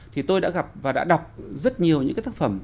thì tôi đã gặp và đã đọc rất nhiều những cái tác phẩm